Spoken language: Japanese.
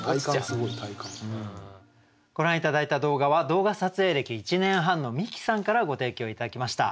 ご覧頂いた動画は動画撮影歴１年半のみきさんからご提供頂きました。